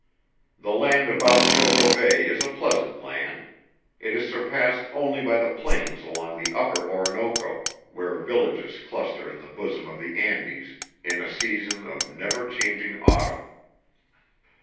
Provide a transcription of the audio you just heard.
The land about Choco Bay is a pleasant land. It is surpassed only by the plains along the upper Orinoco where villages cluster in the bosom of the Andes in a season of never changing autumn.